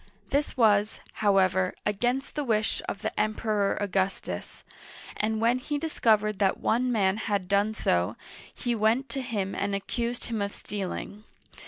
This was, however, against the wish of the Emperor Augustus, and when he discovered that one man had done so, he went to him and accused him of stealing.